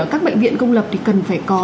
các bệnh viện công lập thì cần phải có